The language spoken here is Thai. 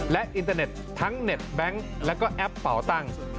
และอินเทอร์เน็ตทั้งเน็ตแบงค์แล้วก็แอปเป่าตั้ง